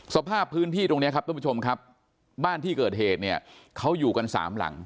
สภาพพื้นที่ตรงนี้ครับทุกผู้ชมครับบ้านที่เกิดเหตุเนี่ยเขาอยู่กันสามหลัง